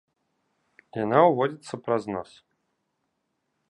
Яна ўводзіцца праз нос.